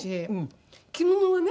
着物はね